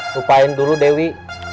lupain dulu dewi